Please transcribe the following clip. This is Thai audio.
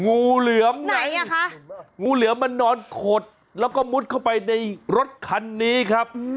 งูเหลือมไหนอ่ะคะงูเหลือมมันนอนขดแล้วก็มุดเข้าไปในรถคันนี้ครับ